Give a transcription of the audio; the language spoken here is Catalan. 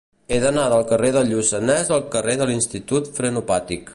He d'anar del carrer del Lluçanès al carrer de l'Institut Frenopàtic.